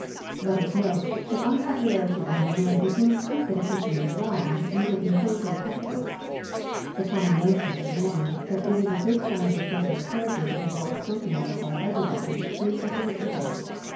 Let us note, that unpopularity among men is no proof that a Christian is wrong, either in faith or practice. The common notion of many, that it is a good sign of a person's character to be well spoken of by everybody, is a great error.